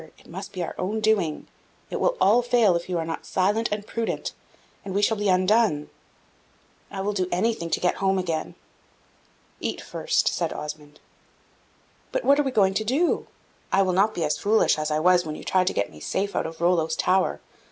It must be our own doing; it will all fail if you are not silent and prudent, and we shall be undone." "I will do anything to get home again!" "Eat first," said Osmond. "But what are you going to do? I will not be as foolish as I was when you tried to get me safe out of Rollo's tower.